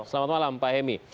selamat malam pak hemi